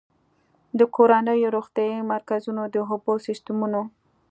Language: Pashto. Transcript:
د کورونو، روغتيايي مرکزونو، د اوبو سيستمونو